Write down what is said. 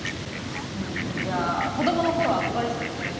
うんじゃあ子供の頃憧れてた人は？